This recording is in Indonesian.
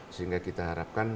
sehingga kita harapkan